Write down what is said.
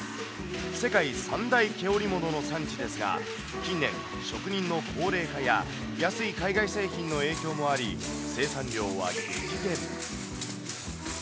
世界三大毛織物の産地ですが、近年、職人の高齢化や、安い海外製品の影響もあり、生産量は激減。